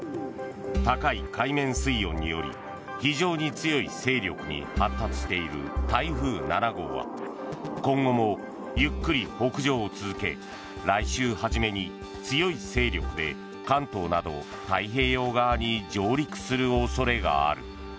高い海面水温により非常に強い勢力に発達している台風７号は今後もゆっくり北上を続け、来週初めに強い勢力で関東など太平洋側に上陸する恐れがある。